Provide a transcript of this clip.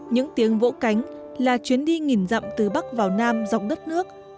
những tiếng vỗ cánh là chuyến đi nghìn dặm từ bắc vào nam dọc đất nước